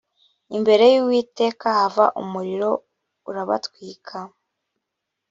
imbere y uwiteka hava umuriro urabatwika